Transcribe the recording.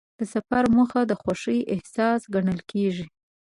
د سفر موخه د خوښۍ احساس ګڼل کېږي.